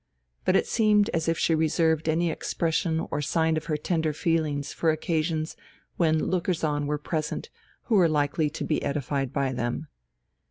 But it seemed as if she reserved any expression or sign of her tender feelings for occasions when lookers on were present who were likely to be edified by them.